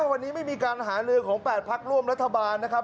วันนี้ไม่มีการหาลือของ๘พักร่วมรัฐบาลนะครับ